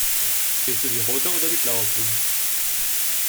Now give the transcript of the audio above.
Willst du die rote oder die blaue Pille?